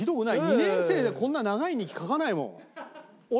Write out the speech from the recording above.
２年生でこんな長い日記書かないもん。